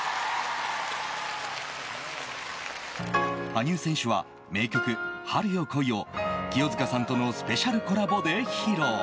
羽生選手は名曲「春よ、来い」を清塚さんとのスペシャルコラボで披露。